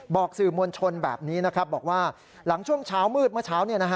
บอกสื่อมวลชนแบบนี้นะครับบอกว่าหลังช่วงเช้ามืดเมื่อเช้า